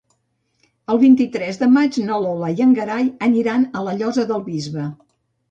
El vint-i-tres de maig na Lola i en Gerai aniran a la Llosa del Bisbe.